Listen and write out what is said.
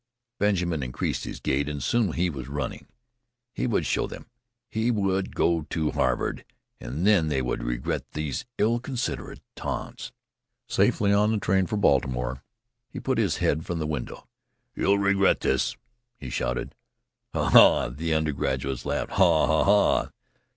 Benjamin increased his gait, and soon he was running. He would show them! He would go to Harvard, and then they would regret these ill considered taunts! Safely on board the train for Baltimore, he put his head from the window. "You'll regret this!" he shouted. "Ha ha!" the undergraduates laughed. "Ha ha ha!"